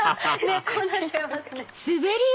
こうなっちゃいますね。